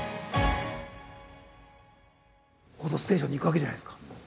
「報道ステーション」に行くわけじゃないですか。